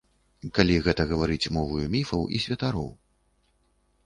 Гэта калі гаварыць моваю міфаў і святароў.